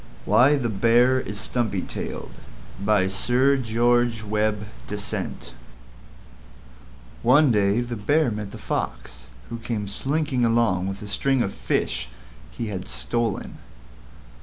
WHY THE BEAR IS STUMPY TAILED By Sir George Webbe Dasent One day the Bear met the Fox, who came slinking along with a string of fish he had stolen.